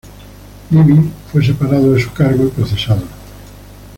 Libby fue separado de su cargo y procesado.